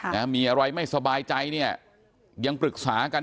หรือมีอะไรไม่สบายใจยังปรึกษากัน